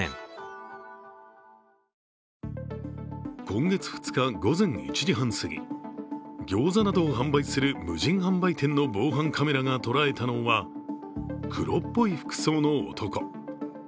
今月２日午前１時半すぎギョーザなどを販売する無人販売店の防犯カメラが捉えたのは黒っぽい服装の男。